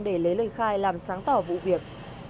để lấy lời khai làm sáng tỏ vụ việc